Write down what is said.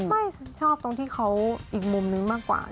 ต้องชอบอย่างไหนอีกมุมนึงมากกว่า